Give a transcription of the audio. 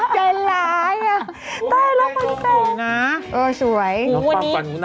ใจร้ายได้ละค่ะเหรอแสงโอเคค่อยนะ